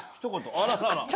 あららら。